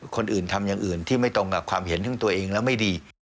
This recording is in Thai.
คนอื่นทำอย่างอื่นที่ไม่ตรงกับความเห็นถึงตัวเองแล้วไม่ดี